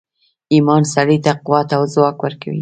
ایمان سړي ته قوت او ځواک ورکوي